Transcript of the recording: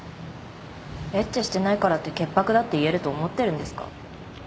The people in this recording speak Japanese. エッチしてないからって潔白だって言えると思ってるんですか？